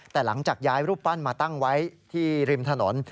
แต่หลังจากย้ายรูปปั้นมาตั้งไว้ที่ริมถนน